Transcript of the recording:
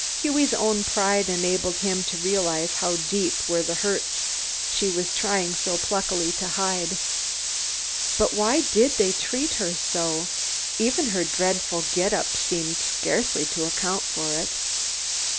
Hughie's own pride enabled him to realize how deep were the hurts she was trying so pluckily to hide. But why did they treat her so? Even her dreadful get up seemed scarcely to account for it.